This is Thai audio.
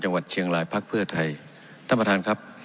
จังหวัดเชียงรายพักเพื่อไทยท่านประธานครับ